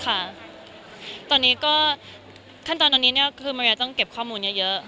ค่ะตอนนี้ก็ขั้นตอนตอนนี้เนี่ยคือเมื่ออยากจะเก็บข้อมูลเยอะ